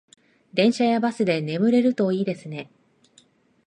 電車やバスで眠れるといいですね